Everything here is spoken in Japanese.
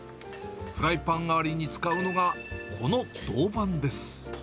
フライパン代わりに使うのが、この銅板です。